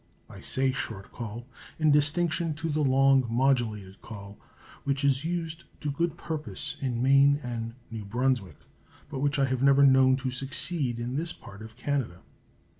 I say short call, in distinction to the long modulated call which is used to good purpose in Maine and New Brunswick, but which I have never known to succeed in this part of Canada.